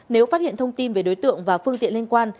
nếu phát hiện thông tin về đối tượng và phương tiện liên quan